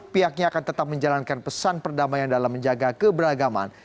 pihaknya akan tetap menjalankan pesan perdamaian dalam menjaga keberagaman